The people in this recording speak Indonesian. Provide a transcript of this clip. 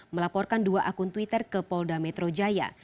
melaporkan dua akun twitter ke polda metro jaya